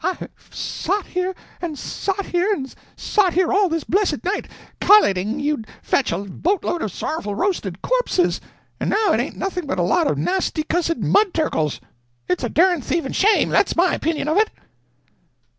—I've sot here, and sot here, and sot here all this blessed night cal'latin' you'd fetch a boat load of sorrowful roasted corpses, and now it ain't nothing but a lot of nasty cussed mud turkles—it's a dern thieving shame, that's my opinion of it!'"